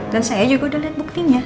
dan saya juga udah liat buktinya